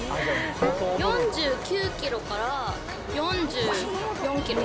４９キロから４４キロ。